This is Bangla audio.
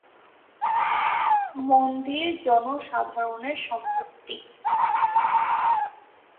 মন্দির জনসাধারণের সম্পত্তি।